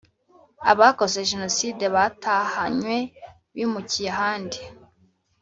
Abakoze Jenoside batahanwe bimukiye ahandi.